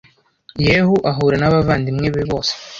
Yehu ahura n abavandimwe be bose